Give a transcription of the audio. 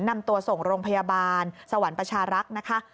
นำตัวส่งโรงพยาบาลสวรรค์ประชารักษ์นะคะ